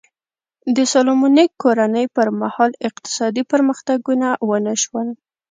د سالومونیک کورنۍ پر مهال اقتصادي پرمختګونه ونه شول.